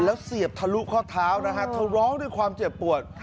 แล้วเสียบทะลุข้อเท้านะฮะเธอร้องด้วยความเจ็บปวด